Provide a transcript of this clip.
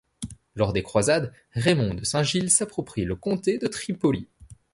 Lors des Croisades, Raymond de Saint-Gille s'approprie le comté de Tripoli.